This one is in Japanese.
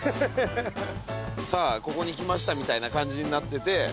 「さあここに来ました」みたいな感じになってて。